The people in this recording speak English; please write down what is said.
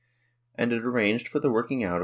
And it arranged for the working out of .